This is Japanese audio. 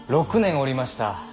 ６年おりました。